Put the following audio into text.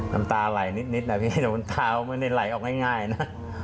น้ำตาไหลนิดนะพี่แต่มันเท้าไม่ได้ไหลออกง่ายนะ